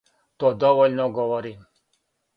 То довољно говори.